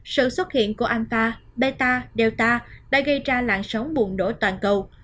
sự xuất hiện của alpha beta delta đã gây ra lạng sóng buồn đổ toàn cầu